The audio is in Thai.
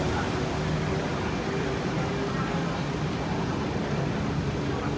เบียร์คอมศรีอันที่๕รวมพิรินิก์ที่มีชนิดหนึ่ง